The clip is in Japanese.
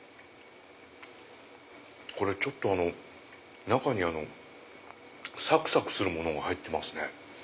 これちょっと中にサクサクするものが入ってますね。